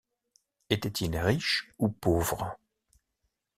Était-il riche ou pauvre?